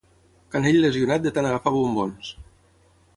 Canell lesionat de tant agafar bombons.